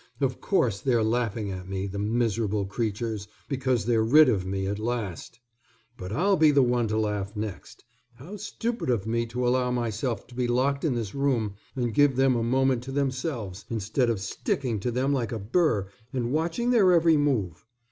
Of course, they're laughing at me, the miserable creatures, because they're rid of me at last. But I'll be the one to laugh next. How stupid of me to allow myself to be locked in this room and give them a moment to themselves, instead of sticking to them like a burr and watching their every move.